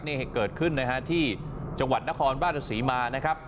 นี่เหตุเกิดขึ้นนะฮะที่จังหวัดนครราชศรีมานะครับ